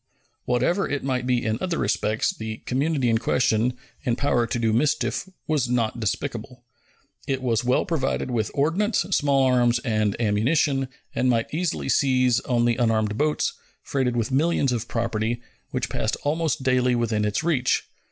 Whatever it might be in other respects, the community in question, in power to do mischief, was not despicable. It was well provided with ordnance, small arms, and ammunition, and might easily seize on the unarmed boats, freighted with millions of property, which passed almost daily within its reach.